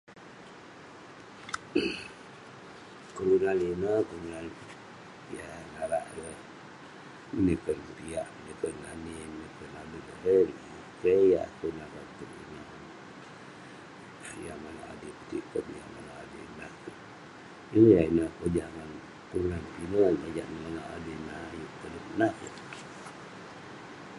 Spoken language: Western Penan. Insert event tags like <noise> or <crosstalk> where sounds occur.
<coughs> kelunan ineh kelunan yah narak ireh meniken piak, meniken ani, meniken adet erei ineh. keh yah kunah roti ineh, yah maneuk adui petiken, yah maneuk adui nah kek. Yeng yah ineh pojah ngan kelunan pinek, sajak neh maneuk adui ayuk konep nah keh.